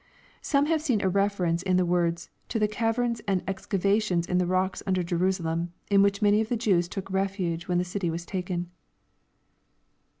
Some have seen a reference in the words to the caverns and ex cavations in the rocks under Jerusalem, in which many of the Jews look refuge when the city was taken.